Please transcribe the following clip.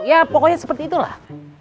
ya pokoknya seperti itulah